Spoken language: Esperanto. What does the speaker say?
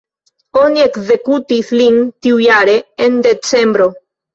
Oni ekzekutis lin tiujare, en decembro.